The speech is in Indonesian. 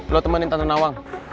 lo temenin tante nawang